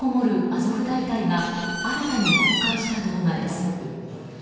アゾフ大隊が新たに公開した動画です。